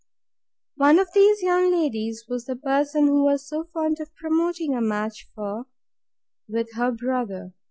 One of these young ladies was the person she was so fond of promoting a match for, with her brother.